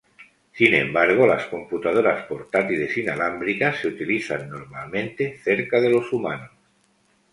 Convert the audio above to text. Sin embargo, las computadoras portátiles inalámbricas se utilizan normalmente cerca de los humanos.